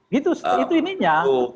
gitu itu ininya